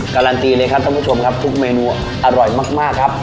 การันตีเลยครับท่านผู้ชมครับทุกเมนูอร่อยมากครับ